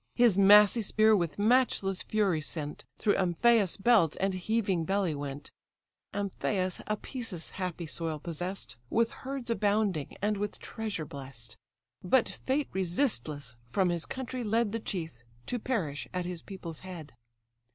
His massy spear with matchless fury sent, Through Amphius' belt and heaving belly went; Amphius Apæsus' happy soil possess'd, With herds abounding, and with treasure bless'd; But fate resistless from his country led The chief, to perish at his people's head.